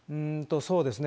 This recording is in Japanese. そうですね。